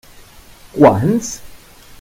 Quants?